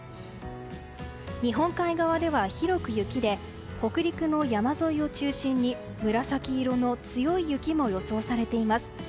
日本海側では広く雪で北陸の山沿いを中心に紫色の強い雪も予想されています。